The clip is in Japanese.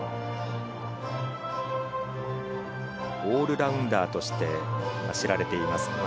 オールラウンダーとして知られています。